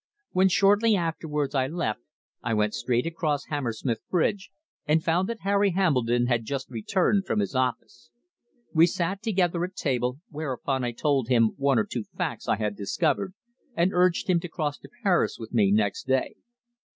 When, shortly afterwards, I left, I went straight across Hammersmith Bridge and found that Harry Hambledon had just returned from his office. We sat together at table, whereupon I told him one or two facts I had discovered, and urged him to cross to Paris with me next day.